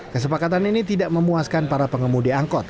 kesepakatan ini tidak memuaskan para pengemudi angkot